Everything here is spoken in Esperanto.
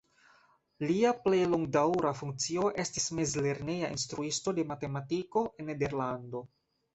Lia plej longdaŭra funkcio estis mezlerneja instruisto de matematiko en Nederlando.